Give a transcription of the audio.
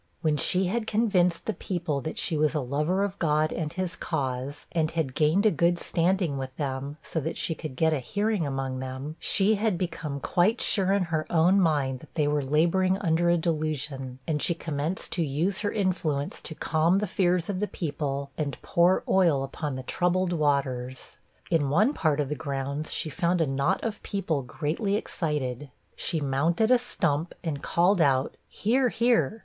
When she had convinced the people that she was a lover of God and his cause, and had gained a good standing with them, so that she could get a hearing among them, she had become quite sure in her own mind that they were laboring under a delusion, and she commenced to use her influence to calm the fears of the people, and pour oil upon the troubled waters. In one part of the grounds, she found a knot of people greatly excited: she mounted a stump and called out, 'Hear! hear!'